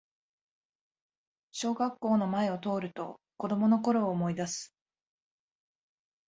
小学校の前を通ると子供のころを思いだす